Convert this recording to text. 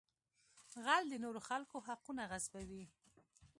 غل د نورو خلکو حقونه غصبوي